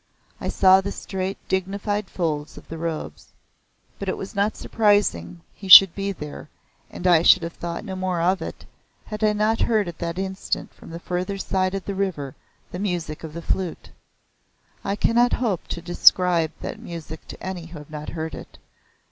I saw the straight dignified folds of the robes. But it was not surprising he should be there and I should have thought no more of it, had I not heard at that instant from the further side of the river the music of the Flute. I cannot hope to describe that music to any who have not heard it.